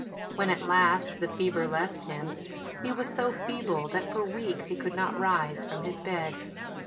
When at last the fever left him, he was so feeble that for weeks he could not rise from his bed.